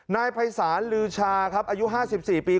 นายภัยศาลลือชาครับอายุ๕๔ปี